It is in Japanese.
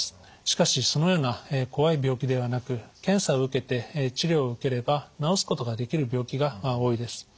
しかしそのような怖い病気ではなく検査を受けて治療を受ければ治すことができる病気が多いです。